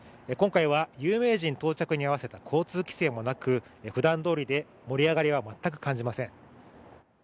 今回は有名人到着に合わせた交通規制もなくふだんどおりで、盛り上がりは全く感じません。